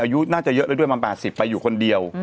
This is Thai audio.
อายุน่าจะเยอะแล้วด้วยมัน๘๐ไปอยู่คนเดียว